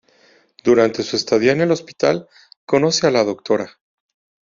Durante su estadía en el hospital, conoce a la Dra.